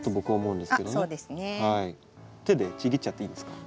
手でちぎっちゃっていいですか？